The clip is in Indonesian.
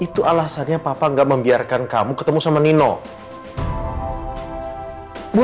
tetep pengen ngobrol tapi kenapa ngomong kayak begitu sama aku